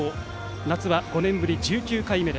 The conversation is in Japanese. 夏は５年ぶり１９回目。